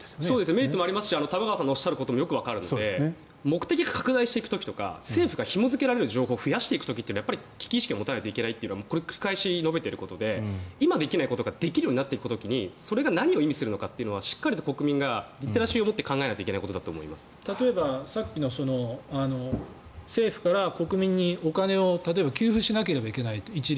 メリットもありますし玉川さんがおっしゃることもよくわかりますので目的が拡大していく時とか政府がひも付けられる情報が増やしていく時は、危機意識を持たなきゃいけないのは繰り返し述べていることで今できないことができるようになっていく時にそれが何を意味するのかというのは、国民がリテラシーを持って考えないといけないことだと例えば、さっきの政府から国民にお金を例えば一律に給付しなければいけないと。